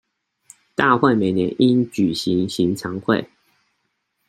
大會每年應舉行常會